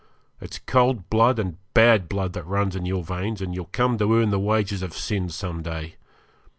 It's cold blood and bad blood that runs in your veins, and you'll come to earn the wages of sin some day.